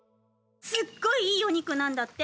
すっごい、いいお肉なんだって。